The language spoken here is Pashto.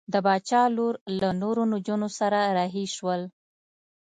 د باچا لور له نورو نجونو سره رهي شول.